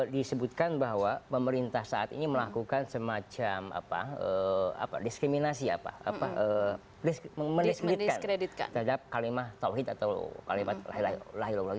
disebutkan bahwa pemerintah saat ini melakukan sebuah diskriminasi mendiskreditkan terhadap kalimat tauhid atau kalimat la ilaha illallah